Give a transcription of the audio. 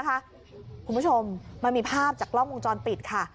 คุณผู้ชมมันมีภาพจากกล้องวงจรปิดค่ะ